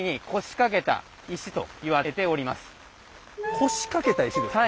腰掛けた石ですか？